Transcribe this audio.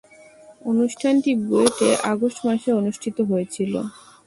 অনুষ্ঠানটি বুয়েটে আগস্ট মাসে অনুষ্ঠিত হয়েছিলো।